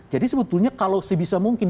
jadi sebetulnya kalau sebisa mungkin